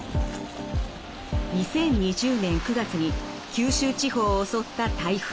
２０２０年９月に九州地方を襲った台風。